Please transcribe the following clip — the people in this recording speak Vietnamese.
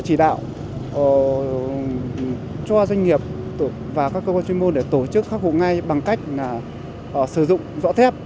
chỉ đạo cho doanh nghiệp và các cơ quan chuyên môn để tổ chức khắc phục ngay bằng cách sử dụng rõ thép